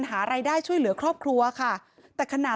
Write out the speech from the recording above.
เหตุการณ์เกิดขึ้นแถวคลองแปดลำลูกกา